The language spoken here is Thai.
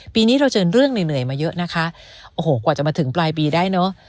ปีนี้เราเจอเรื่องเหนื่อยเหนื่อยมาเยอะนะคะโอ้โหกว่าจะมาถึงปลายปีได้เนอะ